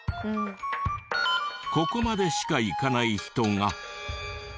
ここまでしかいかない人が。